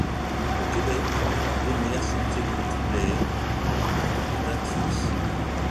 Au Québec, les maires sont élus tous les à date fixe.